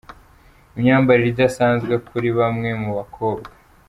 Imyambarire idasanzwe kuri bamwe mu bakobwa.